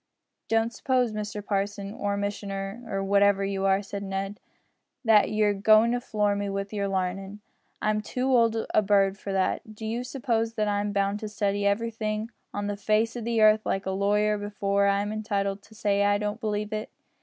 "Don't suppose, Mr parson, or missioner, or whatever you are," said Ned, "that you're goin' to floor me wi' your larnin'. I'm too old a bird for that. Do you suppose that I'm bound to study everything on the face o' the earth like a lawyer before I'm entitled to say I don't believe it.